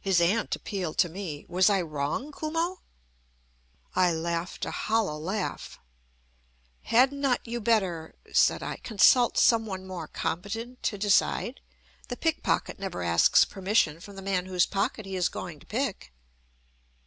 His aunt appealed to me. "Was I wrong, Kumo?" I laughed a hollow laugh. "Had not you better," said I, "consult some one more competent to decide? The pickpocket never asks permission from the man whose pocket he is going to pick."